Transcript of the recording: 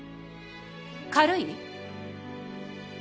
軽い？